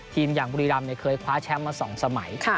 อย่างบุรีรำเคยคว้าแชมป์มา๒สมัย